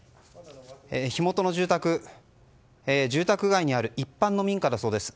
火元の住宅、住宅街にある一般の民家だそうです。